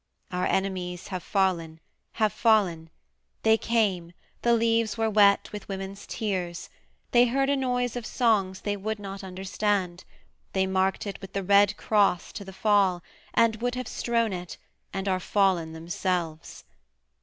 'Our enemies have fallen, have fallen: they came; The leaves were wet with women's tears: they heard A noise of songs they would not understand: They marked it with the red cross to the fall, And would have strown it, and are fallen themselves.